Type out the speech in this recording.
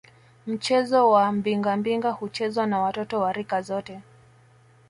Mchezo wa Mbingambinga huchezwa na watoto wa rika zote